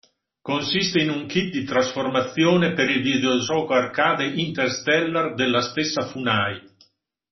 Consiste in un kit di trasformazione per il videogioco arcade "Interstellar", della stessa Funai.